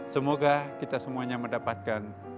semoga kita semuanya mendapatkan